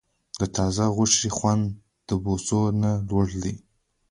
د تازه غوښې خوند د بوسو نه لوړ دی.